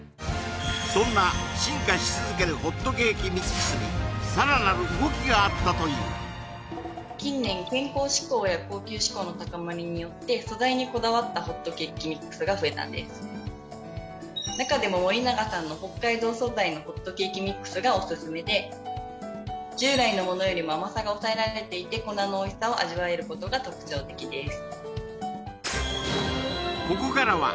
そんな進化し続けるホットケーキミックスにさらなる動きがあったという中でも森永さんの北海道素材のホットケーキミックスがオススメで従来のものよりも甘さが抑えられていて粉のおいしさを味わえることが特徴的です